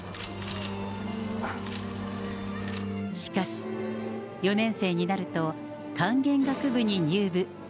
しかし、４年生になると管弦楽部に入部。